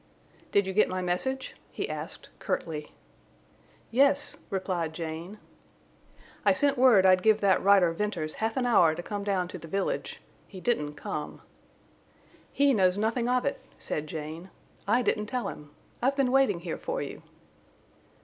"Did you get my message?" he asked, curtly. "Yes," replied Jane. "I sent word I'd give that rider Venters half an hour to come down to the village. He didn't come." "He knows nothing of it;" said Jane. "I didn't tell him. I've been waiting here for you."